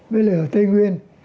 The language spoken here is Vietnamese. với lại ở tây nguyên